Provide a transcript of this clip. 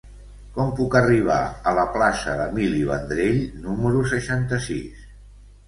Com puc arribar a la plaça d'Emili Vendrell número seixanta-sis?